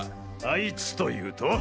あいつというと？